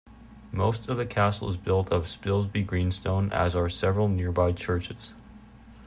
Most of the castle is built of Spilsby greenstone, as are several nearby churches.